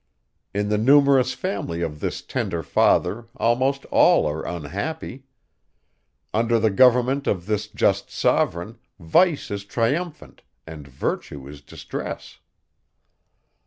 In the numerous family of this tender father, almost all are unhappy. Under the government of this just sovereign, vice is triumphant, and virtue in distress.